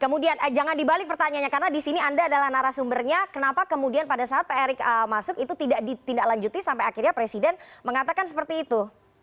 kemudian jangan dibalik pertanyaannya karena disini anda adalah narasumbernya kenapa kemudian pada saat pak erick masuk itu tidak ditindaklanjuti sampai akhirnya presiden mengatakan seperti itu